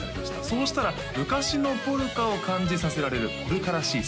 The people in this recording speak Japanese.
そうしたら「昔のポルカを感じさせられる」「ポルカらしい」